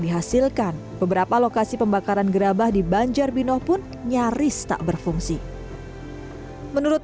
dihasilkan beberapa lokasi pembakaran gerabah di banjarbino pun nyaris tak berfungsi menurut